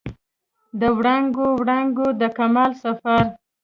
د وړانګو، وړانګو د کمال سفر